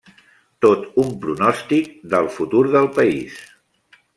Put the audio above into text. Tot un pronòstic del futur del país.